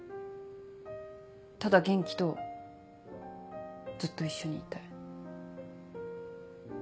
ただ元気とずっと一緒にいたい。